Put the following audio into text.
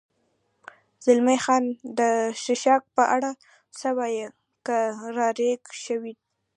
زلمی خان: د څښاک په اړه څه وایې؟ که را ګیر شوي یو.